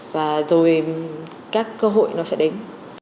và rồi các cơ hội nó sẽ đến